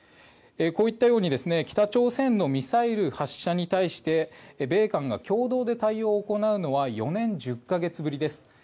こういったように北朝鮮のミサイル発射に対して米韓が共同で対応を行うのは４年１０か月ぶりです。